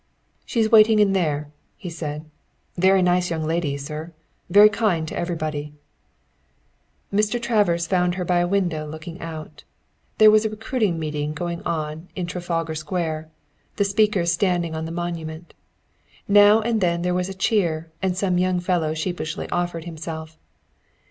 "She's waiting in there," he said. "Very nice young lady, sir. Very kind to everybody." Mr. Travers found her by a window looking out. There was a recruiting meeting going on in Trafalgar Square, the speakers standing on the monument. Now and then there was a cheer, and some young fellow sheepishly offered himself.